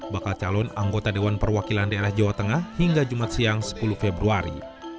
bakal calon anggota dewan perwakilan daerah jawa tengah hingga jumat siang sepuluh februari